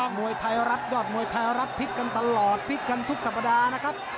มวยไทยรัฐยอดมวยไทยรัฐพลิกกันตลอดพลิกกันทุกสัปดาห์นะครับ